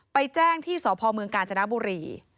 ไปแจ้งที่สพกาญจนบุรี